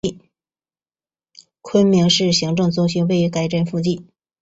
昆明市行政中心位于该站附近。